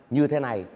như thế này